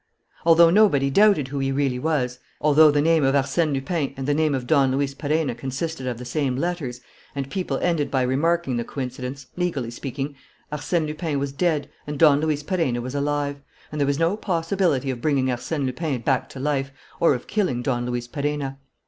Although nobody doubted who he really was, although the name of Arsène Lupin and the name of Don Luis Perenna consisted of the same letters, and people ended by remarking the coincidence, legally speaking, Arsène Lupin was dead and Don Luis Perenna was alive; and there was no possibility of bringing Arsène Lupin back to life or of killing Don Luis Perenna.